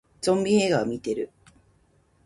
ゾンビ映画見てる